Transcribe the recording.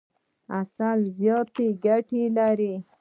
عسل زیاتي ګټي لري.